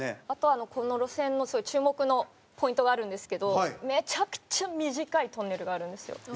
あとこの路線の注目のポイントがあるんですけどめちゃくちゃ短いトンネルがあるんですよ。